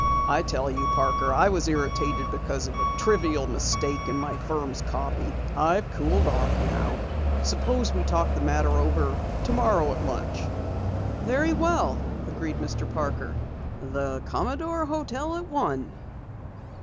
"I tell you, Parker, I was irritated because of a trivial mistake in my firm's copy. I've cooled off now. Suppose we talk over the matter tomorrow at lunch." "Very well," agreed Mr. Parker. "The Commodore Hotel at one."